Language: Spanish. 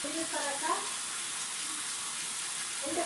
Algunos quedaron todavía en funcionamiento como barcos de entrenamiento.